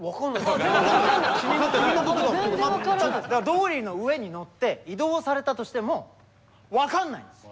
ドーリーの上に載って移動されたとしても分かんないです。